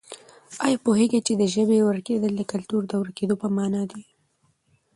آیا پوهېږې چې د ژبې ورکېدل د کلتور د ورکېدو په مانا دي؟